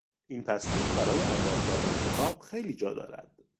این پستو برای انبار کردن کتاب خیلی جا دارد.